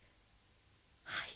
はい。